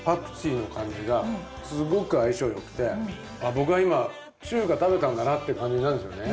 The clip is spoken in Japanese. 僕は今中華食べたんだなって感じになるんですよね